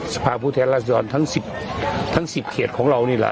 สภาพุทธแทนราชยนต์ทั้ง๑๐เทียดของเราเนี้ยล่ะ